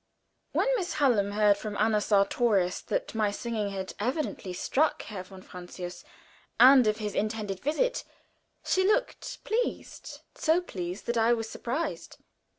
When Miss Hallam heard from Anna Sartorius that my singing had evidently struck Herr von Francius, and of his intended visit, she looked pleased so pleased that I was surprised.